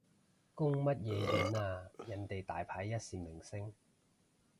公乜嘢演啊，人哋大牌一線明星